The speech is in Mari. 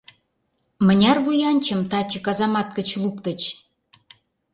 Мыняр вуянчым таче казамат гыч луктыч?